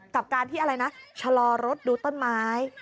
กับการที่ชะลอรสดูต้นไม้